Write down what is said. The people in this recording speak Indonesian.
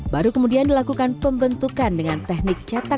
baru kemudian dilakukan pembentukan dengan teknik cetak